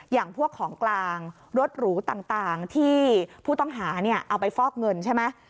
อย่างพวกของกลางรถหรูต่างที่ผู้ต้องหาเอาไปฟอกเงินใช่ไหม